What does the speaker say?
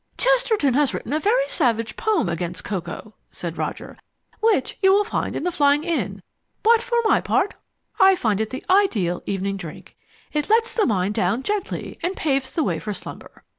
"Chesterton has written a very savage poem against cocoa," said Roger, "which you will find in The Flying Inn; but for my part I find it the ideal evening drink. It lets the mind down gently, and paves the way for slumber.